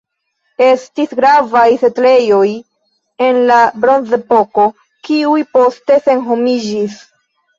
Estis gravaj setlejoj el la Bronzepoko, kiuj poste senhomiĝis.